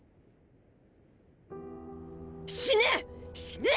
死ね！